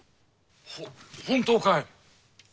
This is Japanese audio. ほ本当かい？